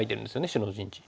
白の陣地。